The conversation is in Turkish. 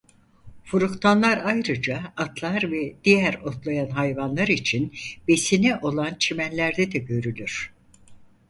Fruktanlar ayrıca atlar ve diğer otlayan hayvanlar için besini olan çimenlerde de görülür.